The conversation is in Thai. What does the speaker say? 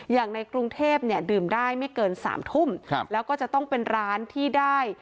อย่างในกรุงเทพเนี่ยดื่มได้ไม่เกิน๓ทุ่มแล้วก็จะต้องเป็นร้านที่ได้